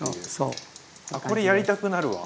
あこれやりたくなるわ。